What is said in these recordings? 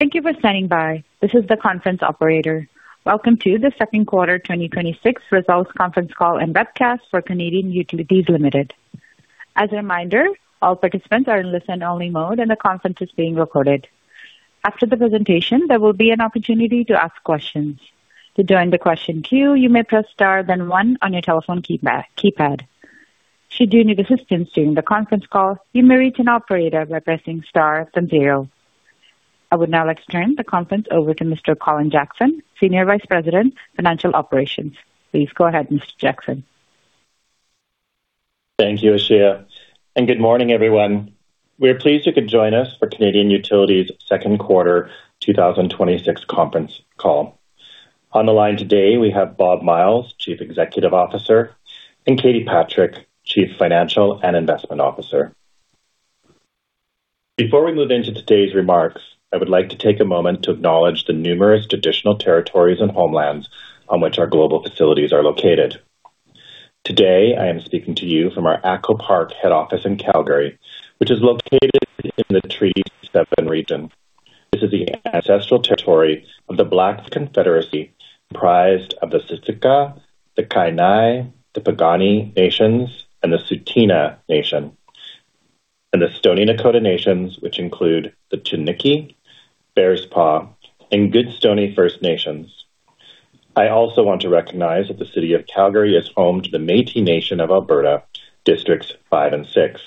Thank you for standing by. This is the conference operator. Welcome to the Second Quarter 2026 Results Conference Call and Webcast for Canadian Utilities Limited. As a reminder, all participants are in listen-only mode and the conference is being recorded. After the presentation, there will be an opportunity to ask questions. To join the question queue, you may press star then one on your telephone keypad. Should you need assistance during the conference call, you may reach an operator by pressing star then zero. I would now like to turn the conference over to Mr. Colin Jackson, Senior Vice President, Financial Operations. Please go ahead, Mr. Jackson. Thank you, Ashia, good morning, everyone. We are pleased you could join us for Canadian Utilities' second quarter 2026 conference call. On the line today, we have Bob Myles, Chief Executive Officer, and Katie Patrick, Chief Financial and Investment Officer. Before we move into today's remarks, I would like to take a moment to acknowledge the numerous traditional territories and homelands on which our global facilities are located. Today, I am speaking to you from our ATCO Park head office in Calgary, which is located in the Treaty 7 region. This is the ancestral territory of the Blackfoot Confederacy, comprised of the Siksika, the Kainai, the Piikani Nations, the Tsuut'ina Nation, and the Stoney Nakoda Nations, which include the Chiniki, Bearspaw, and Goodstoney First Nations. I also want to recognize that the City of Calgary is home to the Métis Nation of Alberta, Districts 5 and 6.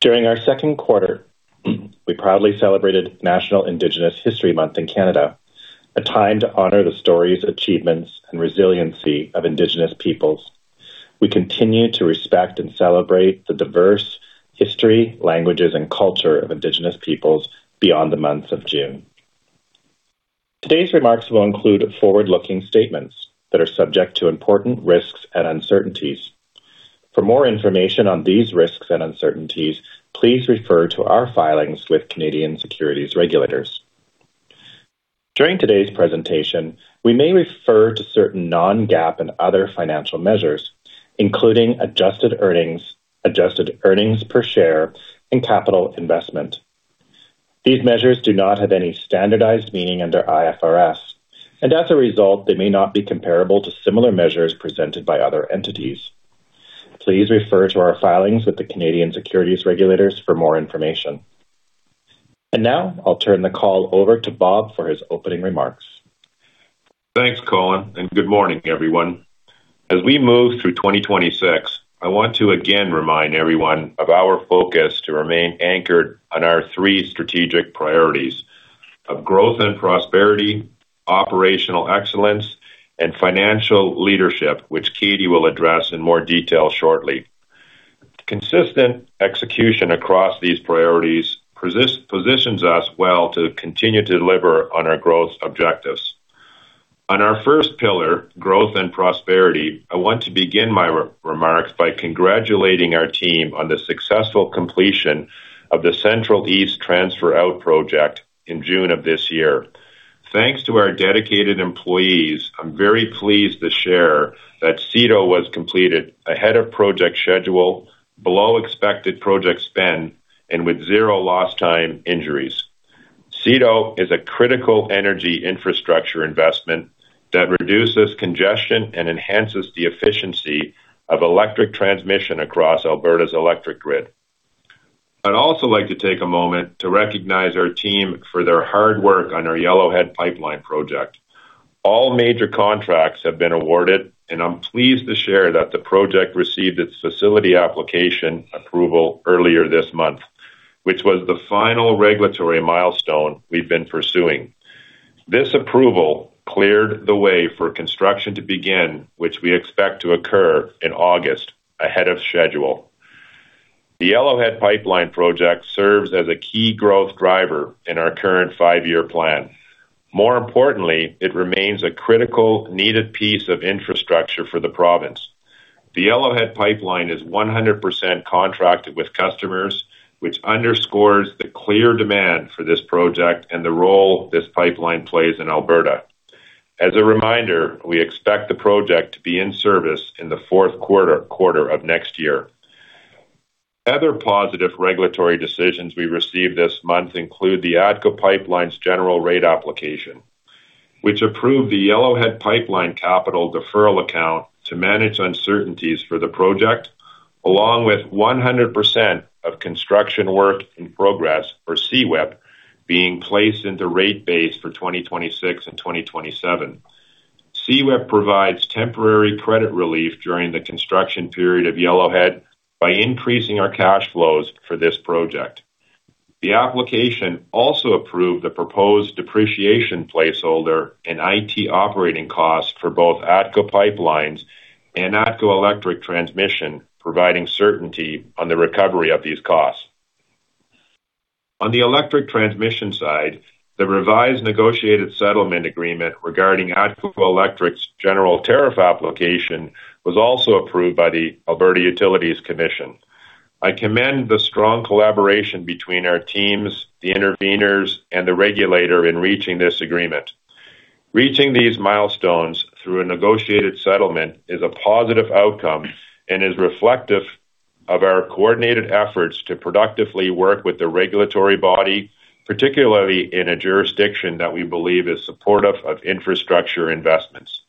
During our second quarter, we proudly celebrated National Indigenous History Month in Canada, a time to honor the stories, achievements, and resiliency of Indigenous peoples. We continue to respect and celebrate the diverse history, languages, and culture of Indigenous peoples beyond the month of June. Today's remarks will include forward-looking statements that are subject to important risks and uncertainties. For more information on these risks and uncertainties, please refer to our filings with Canadian securities regulators. During today's presentation, we may refer to certain non-GAAP and other financial measures, including adjusted earnings, adjusted earnings per share, and capital investment. These measures do not have any standardized meaning under IFRS, as a result, they may not be comparable to similar measures presented by other entities. Please refer to our filings with the Canadian securities regulators for more information. Now I'll turn the call over to Bob for his opening remarks. Thanks, Colin, and good morning, everyone. As we move through 2026, I want to again remind everyone of our focus to remain anchored on our three strategic priorities of growth and prosperity, operational excellence, and financial leadership, which Katie will address in more detail shortly. Consistent execution across these priorities positions us well to continue to deliver on our growth objectives. On our first pillar, growth and prosperity, I want to begin my remarks by congratulating our team on the successful completion of the Central East Transfer-Out project in June of this year. Thanks to our dedicated employees, I'm very pleased to share that CETO was completed ahead of project schedule, below expected project spend, and with zero lost time injuries. CETO is a critical energy infrastructure investment that reduces congestion and enhances the efficiency of electric transmission across Alberta's electric grid. I'd also like to take a moment to recognize our team for their hard work on our Yellowhead Pipeline project. All major contracts have been awarded. I'm pleased to share that the project received its facility application approval earlier this month, which was the final regulatory milestone we've been pursuing. This approval cleared the way for construction to begin, which we expect to occur in August, ahead of schedule. The Yellowhead Pipeline project serves as a key growth driver in our current five-year plan. More importantly, it remains a critical, needed piece of infrastructure for the province. The Yellowhead Pipeline is 100% contracted with customers, which underscores the clear demand for this project and the role this pipeline plays in Alberta. As a reminder, we expect the project to be in service in the fourth quarter of next year. Other positive regulatory decisions we received this month include the ATCO Pipelines general rate application, which approved the Yellowhead Pipeline capital deferral account to manage uncertainties for the project, along with 100% of construction work in progress for CWIP being placed into rate base for 2026 and 2027. CWIP provides temporary credit relief during the construction period of Yellowhead by increasing our cash flows for this project. The application also approved the proposed depreciation placeholder and IT operating costs for both ATCO Pipelines and ATCO Electric Transmission, providing certainty on the recovery of these costs. On the electric transmission side, the revised negotiated settlement agreement regarding ATCO Electric's general tariff application was also approved by the Alberta Utilities Commission. I commend the strong collaboration between our teams, the interveners, and the regulator in reaching this agreement. Reaching these milestones through a negotiated settlement is a positive outcome and is reflective of our coordinated efforts to productively work with the regulatory body, particularly in a jurisdiction that we believe is supportive of infrastructure investments.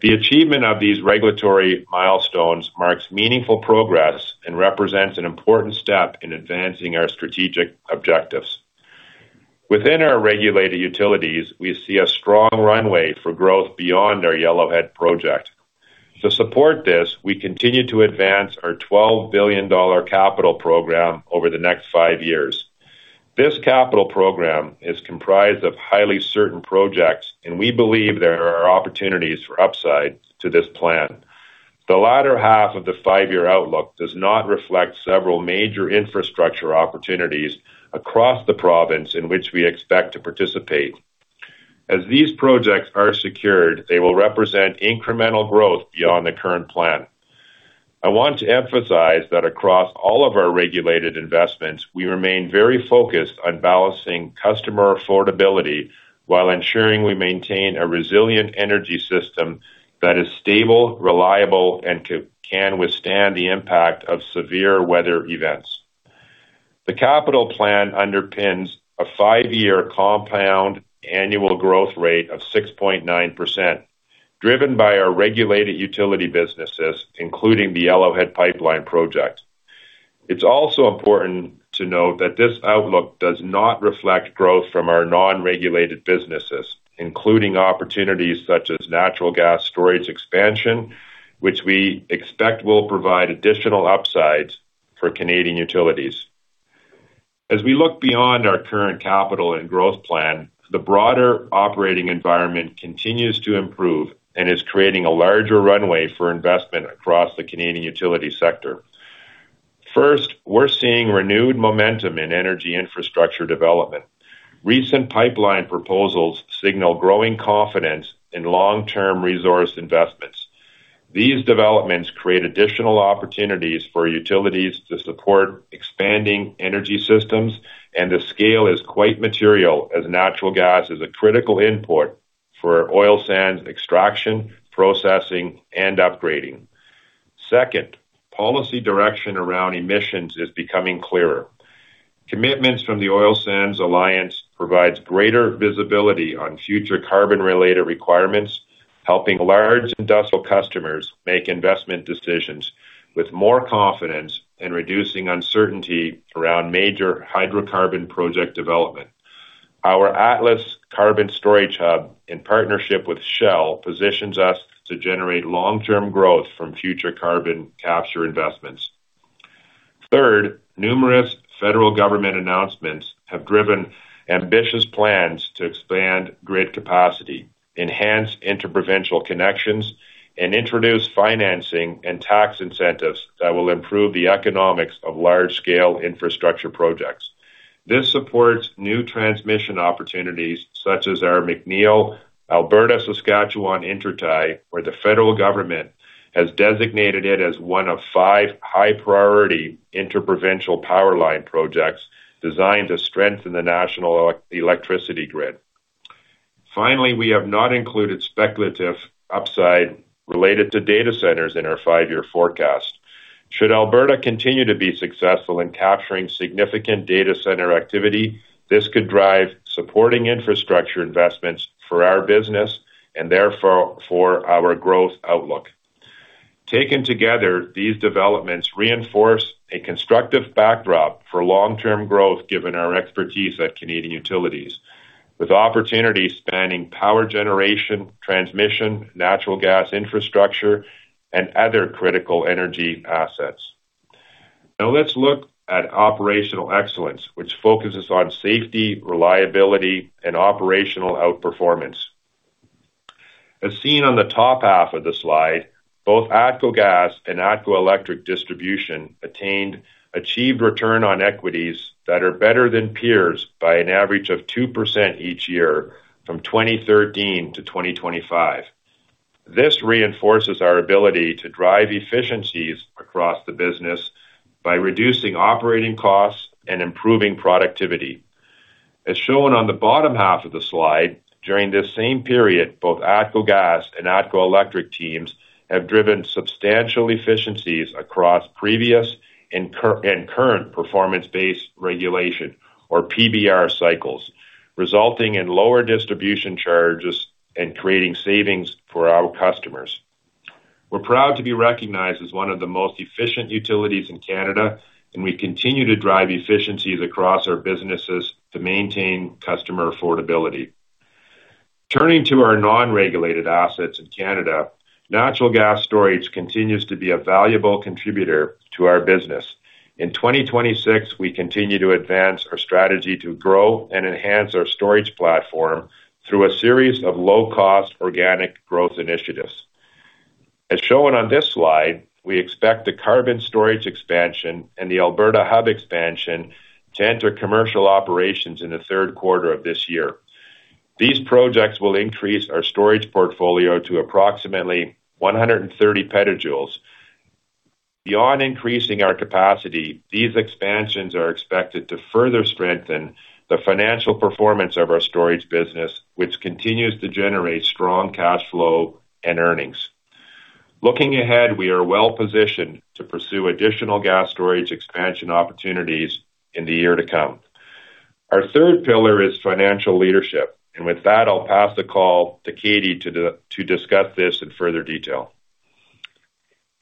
The achievement of these regulatory milestones marks meaningful progress and represents an important step in advancing our strategic objectives. Within our regulated utilities, we see a strong runway for growth beyond our Yellowhead project. To support this, we continue to advance our 12 billion dollar capital program over the next five years. This capital program is comprised of highly certain projects. We believe there are opportunities for upside to this plan. The latter half of the five-year outlook does not reflect several major infrastructure opportunities across the province in which we expect to participate. As these projects are secured, they will represent incremental growth beyond the current plan. I want to emphasize that across all of our regulated investments, we remain very focused on balancing customer affordability while ensuring we maintain a resilient energy system that is stable, reliable, and can withstand the impact of severe weather events. The capital plan underpins a five-year compound annual growth rate of 6.9%, driven by our regulated utility businesses, including the Yellowhead Pipeline Project. It's also important to note that this outlook does not reflect growth from our non-regulated businesses, including opportunities such as natural gas storage expansion, which we expect will provide additional upsides for Canadian Utilities. As we look beyond our current capital and growth plan, the broader operating environment continues to improve and is creating a larger runway for investment across the Canadian utility sector. First, we're seeing renewed momentum in energy infrastructure development. Recent pipeline proposals signal growing confidence in long-term resource investments. These developments create additional opportunities for utilities to support expanding energy systems, and the scale is quite material as natural gas is a critical input for oil sands extraction, processing, and upgrading. Second, policy direction around emissions is becoming clearer. Commitments from the Pathways Alliance provides greater visibility on future carbon-related requirements, helping large industrial customers make investment decisions with more confidence in reducing uncertainty around major hydrocarbon project development. Our Atlas Carbon Storage Hub, in partnership with Shell, positions us to generate long-term growth from future carbon capture investments. Third, numerous federal government announcements have driven ambitious plans to expand grid capacity, enhance inter-provincial connections, and introduce financing and tax incentives that will improve the economics of large-scale infrastructure projects. This supports new transmission opportunities such as our McNeill, Alberta, Saskatchewan intertie, where the federal government has designated it as one of five high-priority inter-provincial power line projects designed to strengthen the national electricity grid. Finally, we have not included speculative upside related to data centers in our five-year forecast. Should Alberta continue to be successful in capturing significant data center activity, this could drive supporting infrastructure investments for our business and therefore for our growth outlook. Taken together, these developments reinforce a constructive backdrop for long-term growth given our expertise at Canadian Utilities, with opportunities spanning power generation, transmission, natural gas infrastructure, and other critical energy assets. Let's look at operational excellence, which focuses on safety, reliability, and operational outperformance. As seen on the top half of the slide, both ATCO Gas and ATCO Electric Distribution attained achieved return on equities that are better than peers by an average of 2% each year from 2013 to 2025. This reinforces our ability to drive efficiencies across the business by reducing operating costs and improving productivity. As shown on the bottom half of the slide, during this same period both ATCO Gas and ATCO Electric teams have driven substantial efficiencies across previous and current performance-based regulation, or PBR cycles, resulting in lower distribution charges and creating savings for our customers. We're proud to be recognized as one of the most efficient utilities in Canada, and we continue to drive efficiencies across our businesses to maintain customer affordability. Turning to our non-regulated assets in Canada, natural gas storage continues to be a valuable contributor to our business. In 2026, we continue to advance our strategy to grow and enhance our storage platform through a series of low-cost organic growth initiatives. As shown on this slide, we expect the Carbon Storage Hub expansion and the Alberta Hub expansion to enter commercial operations in the third quarter of this year. These projects will increase our storage portfolio to approximately 130 PJ. Beyond increasing our capacity, these expansions are expected to further strengthen the financial performance of our storage business, which continues to generate strong cash flow and earnings. Looking ahead, we are well-positioned to pursue additional gas storage expansion opportunities in the year to come. Our third pillar is financial leadership, and with that, I'll pass the call to Katie to discuss this in further detail.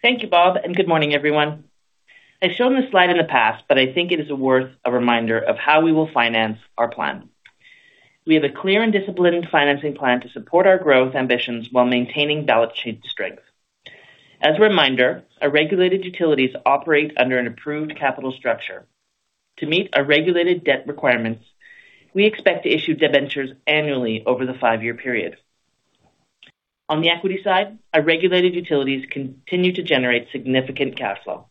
Thank you, Bob, and good morning, everyone. I've shown this slide in the past, but I think it is worth a reminder of how we will finance our plan. We have a clear and disciplined financing plan to support our growth ambitions while maintaining balance sheet strength. As a reminder, our regulated utilities operate under an approved capital structure. To meet our regulated debt requirements, we expect to issue debentures annually over the five-year period. On the equity side, our regulated utilities continue to generate significant cash flow.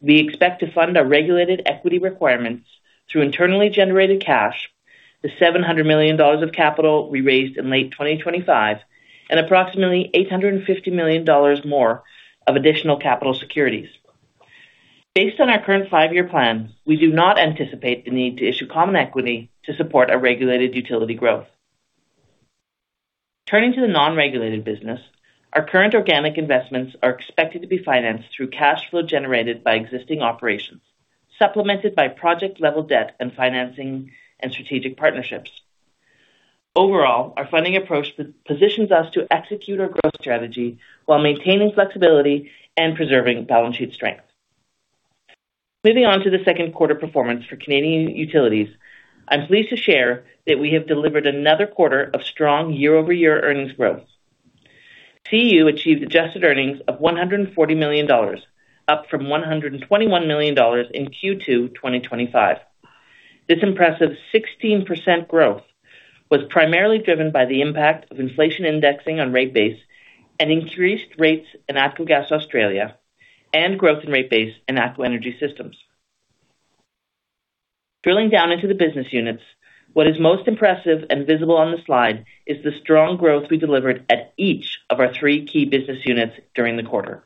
We expect to fund our regulated equity requirements through internally generated cash, the 700 million dollars of capital we raised in late 2025, and approximately 850 million dollars more of additional capital securities. Based on our current five-year plan, we do not anticipate the need to issue common equity to support our regulated utility growth. Turning to the non-regulated business, our current organic investments are expected to be financed through cash flow generated by existing operations, supplemented by project-level debt and financing and strategic partnerships. Overall, our funding approach positions us to execute our growth strategy while maintaining flexibility and preserving balance sheet strength. Moving on to the second quarter performance for Canadian Utilities. I'm pleased to share that we have delivered another quarter of strong year-over-year earnings growth. CU achieved adjusted earnings of 140 million dollars, up from 121 million dollars in Q2 2025. This impressive 16% growth was primarily driven by the impact of inflation indexing on rate base and increased rates in ATCO Gas Australia and growth in rate base in ATCO Energy Systems. Drilling down into the business units, what is most impressive and visible on the slide is the strong growth we delivered at each of our three key business units during the quarter.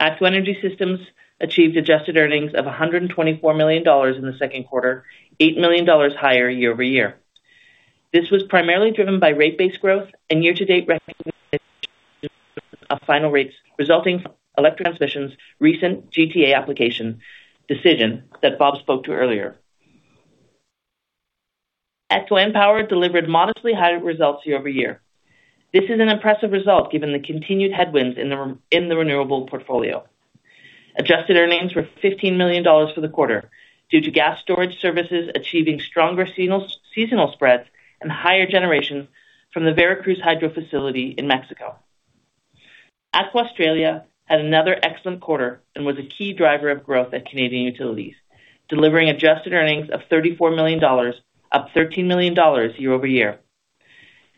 ATCO Energy Systems achieved adjusted earnings of 124 million dollars in the second quarter, 8 million dollars higher year-over-year. This was primarily driven by rate-based growth and year-to-date recognition of final rates resulting from Electric Transmission's recent GTA application decision that Bob spoke to earlier. ATCO EnPower delivered modestly higher results year-over-year. This is an impressive result given the continued headwinds in the renewable portfolio. Adjusted earnings were 15 million dollars for the quarter, due to gas storage services achieving stronger seasonal spreads and higher generation from the Veracruz Hydro facility in Mexico. ATCO Australia had another excellent quarter and was a key driver of growth at Canadian Utilities, delivering adjusted earnings of 34 million dollars, up 13 million dollars year-over-year.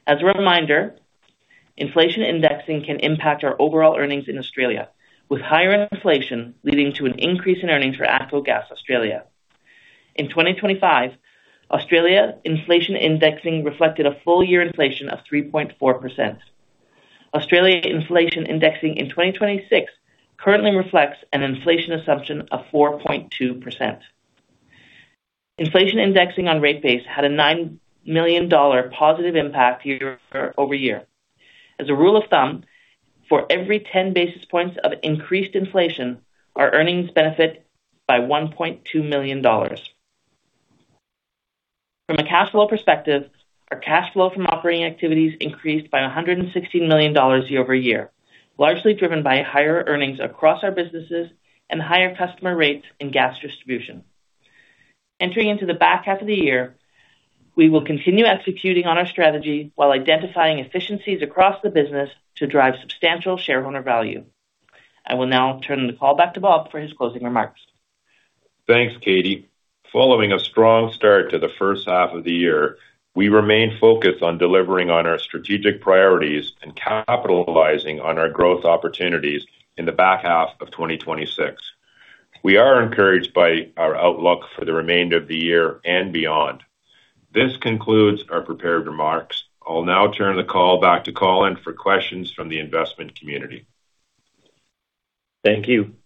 As a reminder, inflation indexing can impact our overall earnings in Australia, with higher inflation leading to an increase in earnings for ATCO Gas Australia. In 2025, Australia inflation indexing reflected a full-year inflation of 3.4%. Australia inflation indexing in 2026 currently reflects an inflation assumption of 4.2%. Inflation indexing on rate base had a 9 million dollar positive impact year-over-year. As a rule of thumb, for every 10 basis points of increased inflation, our earnings benefit by 1.2 million dollars. From a cash flow perspective, our cash flow from operating activities increased by 160 million dollars year-over-year, largely driven by higher earnings across our businesses and higher customer rates in gas distribution. Entering into the back half of the year, we will continue executing on our strategy while identifying efficiencies across the business to drive substantial shareholder value. I will now turn the call back to Bob for his closing remarks. Thanks, Katie. Following a strong start to the first half of the year, we remain focused on delivering on our strategic priorities and capitalizing on our growth opportunities in the back half of 2026. We are encouraged by our outlook for the remainder of the year and beyond. This concludes our prepared remarks. I'll now turn the call back to Colin for questions from the investment community. Thank you,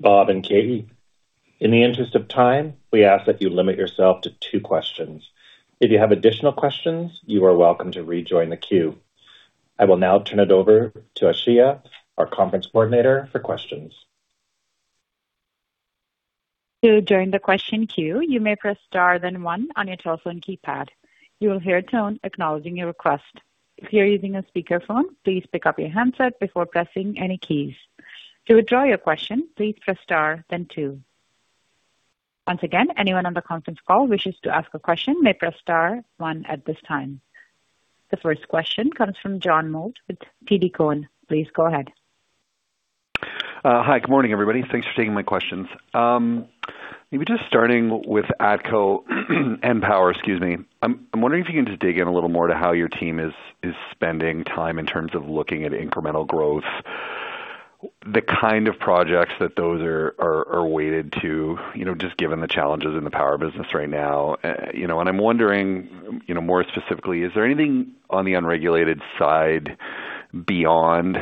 Bob and Katie. In the interest of time, we ask that you limit yourself to two questions. If you have additional questions, you are welcome to rejoin the queue. I will now turn it over to Ashia, our conference coordinator, for questions. To join the question queue, you may press star then one on your telephone keypad. You will hear a tone acknowledging your request. If you're using a speakerphone, please pick up your handset before pressing any keys. To withdraw your question, please press star then two. Once again, anyone on the conference call who wishes to ask a question may press star one at this time. The first question comes from John Mould with TD Cowen. Please go ahead. Hi. Good morning, everybody. Thanks for taking my questions. Maybe just starting with ATCO EnPower, excuse me. I'm wondering if you can just dig in a little more to how your team is spending time in terms of looking at incremental growth, the kind of projects that those are weighted to, just given the challenges in the power business right now. I'm wondering more specifically, is there anything on the unregulated side beyond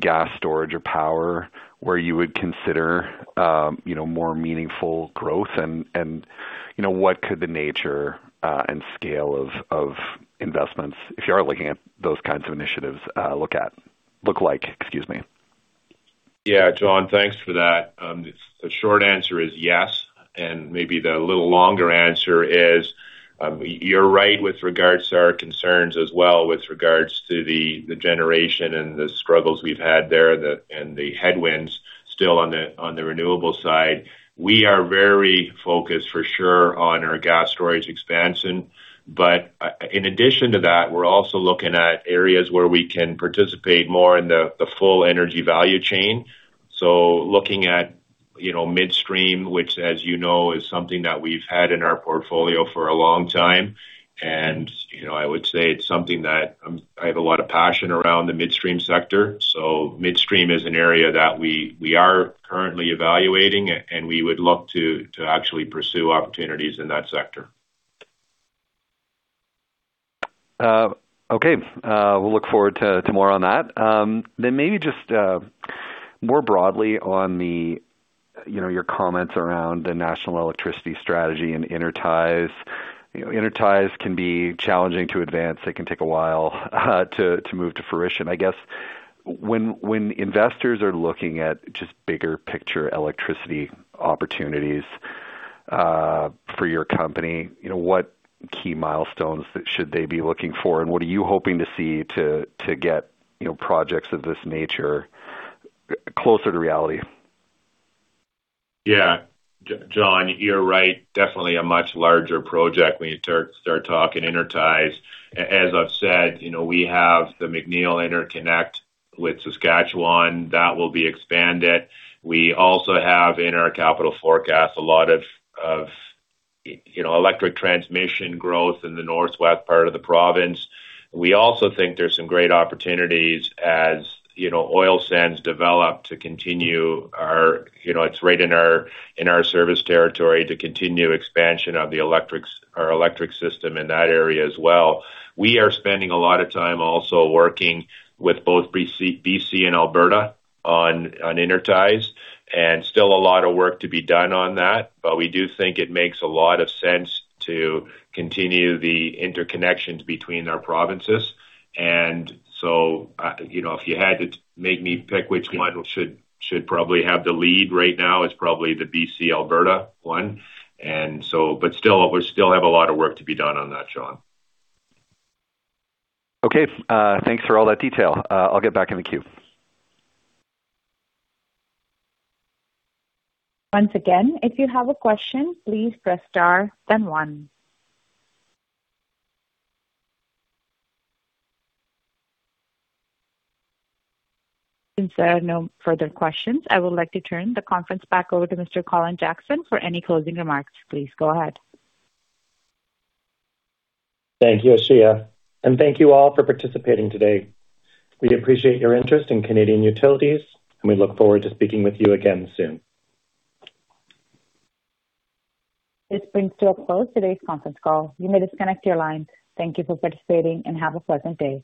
gas storage or power where you would consider more meaningful growth and what could the nature and scale of investments, if you are looking at those kinds of initiatives, look like? Excuse me. Yeah, John, thanks for that. The short answer is yes, maybe the little longer answer is, you're right with regards to our concerns as well with regards to the generation and the struggles we've had there, the headwinds still on the renewable side. We are very focused for sure on our gas storage expansion. In addition to that, we're also looking at areas where we can participate more in the full energy value chain. Looking at midstream, which as you know, is something that we've had in our portfolio for a long time. I would say it's something that I have a lot of passion around the midstream sector. Midstream is an area that we are currently evaluating and we would look to actually pursue opportunities in that sector. Okay. We'll look forward to more on that. Maybe just more broadly on your comments around the national electricity strategy and intertie. Intertie can be challenging to advance. It can take a while to move to fruition. I guess when investors are looking at just bigger picture electricity opportunities, for your company, what key milestones should they be looking for, and what are you hoping to see to get projects of this nature closer to reality? Yeah. John, you're right. Definitely a much larger project when you start talking intertie. As I've said, we have the McNeill station with Saskatchewan that will be expanded. We also have in our capital forecast a lot of electric transmission growth in the northwest part of the province. We also think there's some great opportunities as oil sands develop, it's right in our service territory, to continue expansion of our electric system in that area as well. We are spending a lot of time also working with both BC and Alberta on intertie, still a lot of work to be done on that. We do think it makes a lot of sense to continue the interconnections between our provinces. If you had to make me pick which one should probably have the lead right now, it's probably the BC-Alberta one. We still have a lot of work to be done on that, John. Okay. Thanks for all that detail. I'll get back in the queue. Once again, if you have a question, please press star then one. Since there are no further questions, I would like to turn the conference back over to Mr. Colin Jackson for any closing remarks. Please go ahead. Thank you, Ashia. Thank you all for participating today. We appreciate your interest in Canadian Utilities, and we look forward to speaking with you again soon. This brings to a close today's conference call. You may disconnect your line. Thank you for participating, and have a pleasant day.